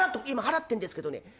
「今払ってんですけどね